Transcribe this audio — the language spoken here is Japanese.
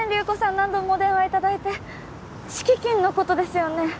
何度もお電話いただいて敷金のことですよね？